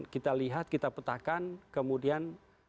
kita lihat kita petakan kemudian